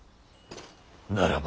ならば。